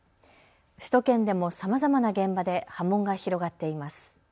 首都圏でもさまざまな現場で波紋が広がっています。